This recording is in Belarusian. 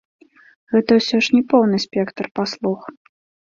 Гэта ўсё ж не поўны спектр паслуг!